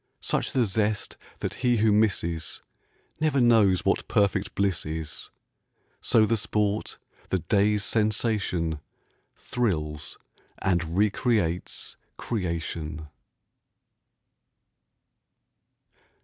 Such the zest that he who misses Never knows what perfect bliss is. So the sport, the day's sensation, Thrills and recreates creation.